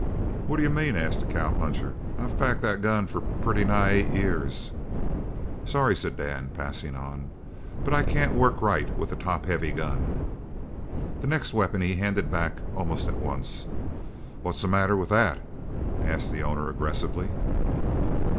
"What d'you mean?" asked the cowpuncher. "I've packed that gun for pretty nigh eight years!" "Sorry," said Dan passing on, "but I can't work right with a top heavy gun." The next weapon he handed back almost at once. "What's the matter with that?" asked the owner aggressively.